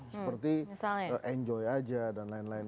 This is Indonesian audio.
seperti enjoy aja dan lain lain